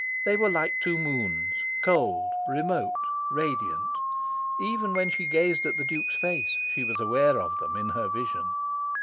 They were like two moons: cold, remote, radiant. Even when she gazed at the Duke's face, she was aware of them in her vision.